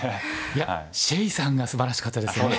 いや謝さんがすばらしかったですね。